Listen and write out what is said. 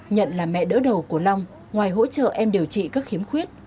nhận là mẹ đỡ đầu của long ngoài hỗ trợ em điều trị các khiếm khuyết